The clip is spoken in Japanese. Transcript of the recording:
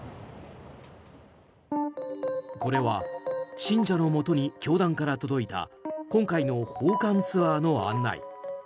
これは信者のもとに教団から届いた今回の訪韓ツアーの案内。